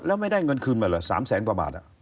แล้วไม่ได้เงินคืนมาเหรอ๓แสนกว่าบาท